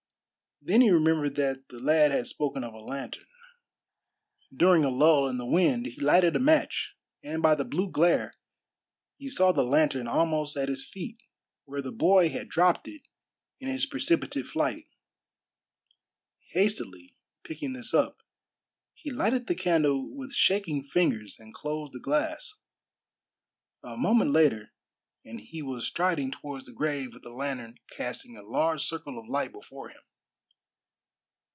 Then he remembered that the lad had spoken of a lantern. During a lull in the wind he lighted a match, and by the blue glare he saw the lantern almost at his feet, where the boy had dropped it in his precipitate flight. Hastily picking this up, he lighted the candle with shaking fingers and closed the glass. A moment later, and he was striding towards the grave with the lantern casting a large circle of light before him.